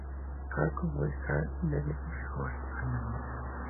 Halcyon Maxwell en "The Ghost and Mr.